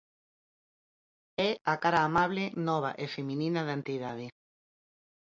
É a cara amable, nova e feminina da entidade.